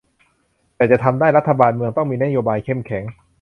แต่จะทำได้ รัฐบาลเมืองต้องมีนโยบายเข้มแข็ง